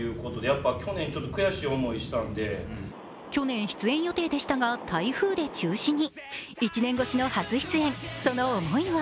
去年、出演予定でしたが台風で中止に。